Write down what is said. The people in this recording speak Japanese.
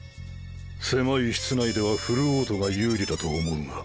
狭い室内ではフルオートが有利だと思うが。